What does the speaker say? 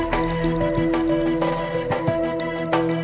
ก็ไม่น่าจะดังกึ่งนะ